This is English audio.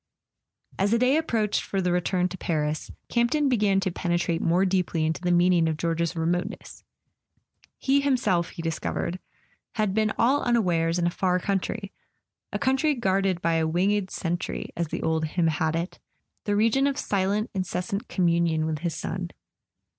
As the day approached for the return to Paris, Camp¬ ton began to penetrate more deeply into the meaning of George's remoteness. He himself, he discovered, had been all unawares in a far country, a country guarded by a winged sentry, as the old hymn had it: the region of silent incessant communion with his son.